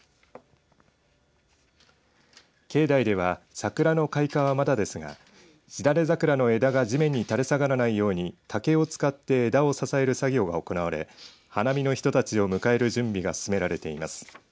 境内では、桜の開花はまだですがしだれ桜の枝が地面に垂れ下がらないように竹を使って枝を支える作業が行われ花見の人たちを迎える準備が進められています。